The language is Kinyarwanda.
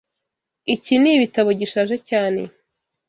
Iki ni ibitabo gishaje cyane.